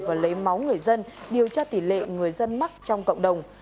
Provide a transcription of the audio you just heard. và lấy máu người dân điều tra tỷ lệ người dân mắc trong cộng đồng